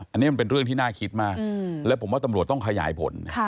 อันนี้มันเป็นเรื่องที่น่าคิดมากและผมว่าตำรวจต้องขยายผล